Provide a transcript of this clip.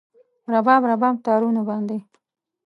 رباب، رباب تارونو باندې